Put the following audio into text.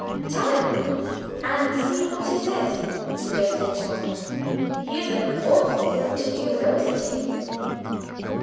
"Tell him, and see what he says," suggested Tom; "he is an awful brute to you though, isn't he?"